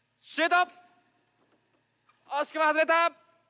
惜しくも外れた！